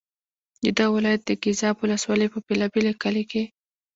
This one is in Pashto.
د دغه ولایت د ګیزاب ولسوالۍ په بېلا بېلو کلیو کې.